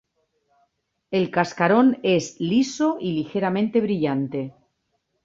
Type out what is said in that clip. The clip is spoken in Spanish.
El cascarón es liso y ligeramente brillante.